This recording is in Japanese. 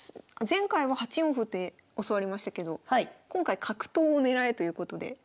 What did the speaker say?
前回は８四歩で教わりましたけど今回「角頭を狙え！」ということで。